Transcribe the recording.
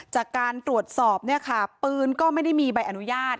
จากการตรวจสอบเนี่ยค่ะปืนก็ไม่ได้มีใบอนุญาต